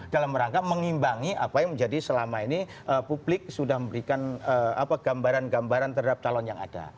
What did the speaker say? dalam rangka mengimbangi apa yang menjadi selama ini publik sudah memberikan gambaran gambaran terhadap calon yang ada